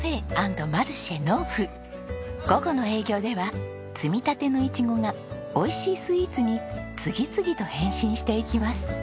午後の営業では摘みたてのイチゴが美味しいスイーツに次々と変身していきます。